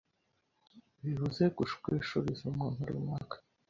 bivuze gushwishuriza umuntu runaka.